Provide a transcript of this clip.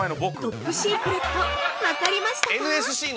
◆トップシークレット、分かりましたか。